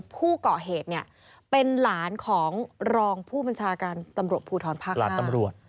ผู้ก่อเหตุเนี่ยเป็นหลานของรองผู้บัญชาการตำรวจภูทรภาคตำรวจ